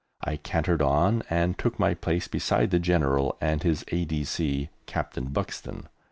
I cantered on, and took my place beside the General and his A.D.C., Captain Buxton.